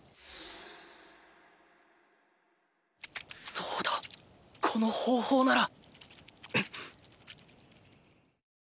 そうだこの方法なら！